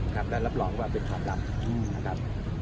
และรับรองว่าเป็นฝากหลัม